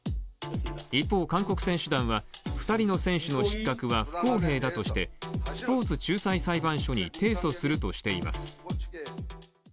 一方、韓国選手団は２人の選手の失格は不公平だとしてスポーツ仲裁裁判所に提訴するとしています。